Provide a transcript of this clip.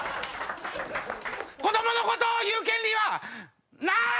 子どもの事を言う権利はない！